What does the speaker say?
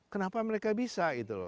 kenapa mereka bisa